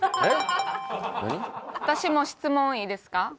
私も質問いいですか？